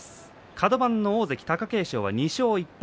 カド番の大関貴景勝は２勝１敗。